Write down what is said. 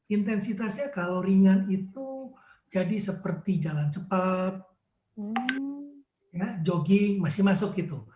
intensitasnya kalau ringan itu jadi seperti jalan cepat jogging masih masuk gitu